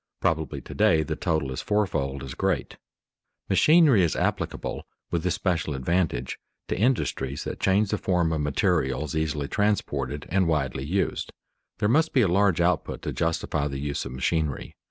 Probably to day the total is four fold as great. [Sidenote: Machines can best be used in manufactures] Machinery is applicable with especial advantage to industries that change the form of materials easily transported and widely used. There must be a large output to justify the use of machinery.